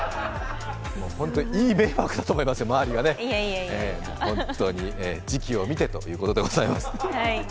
いい迷惑だと思いますよ、周りがね時期を見てということでございます。